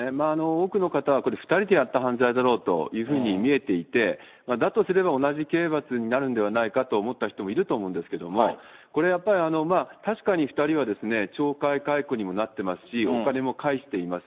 多くの方は、これ２人でやった犯罪だろうと見えていて、だとすれば、同じ刑罰になるんではないかと思った人もいると思うんですけれども、これやっぱり、確かに２人はですね、懲戒解雇にもなってますし、お金も返しています。